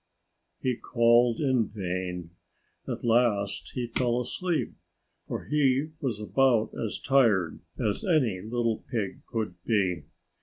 He called in vain. At last he fell asleep, for he was about as tired as any little pig could be.